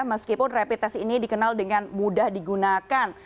meskipun rapid test ini dikenal dengan mudah digunakan